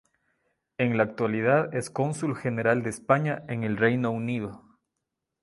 En la actualidad es Cónsul General de España en el Reino Unido.